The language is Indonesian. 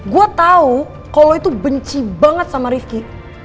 gue tahu kalau lo itu benci banget sama rifki